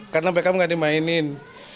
karena beckham gak dimainin